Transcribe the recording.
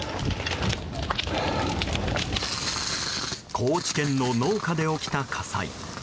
高知県の農家で起きた火災。